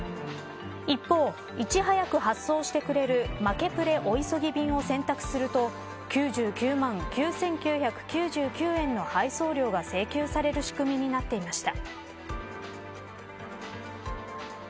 一方、いち早く発送してくれるマケプレお急ぎ便を選択すると９９万９９９９円の配送料が請求される仕組みになっていました。